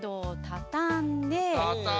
たたんで。